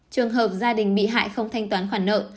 trường hợp gia đình bị hại không thanh toán khoản nợ